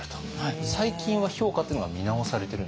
最近は評価っていうのが見直されてるんですか？